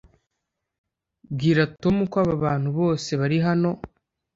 bwira tom ko abantu bose bari hano